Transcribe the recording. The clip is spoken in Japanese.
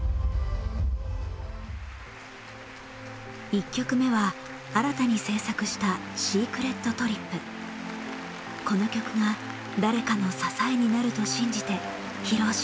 １曲目は新たに制作したこの曲が誰かの支えになると信じて披露します。